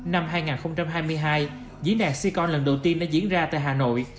năm hai nghìn hai mươi hai diễn đạt sikon lần đầu tiên đã diễn ra tại hà nội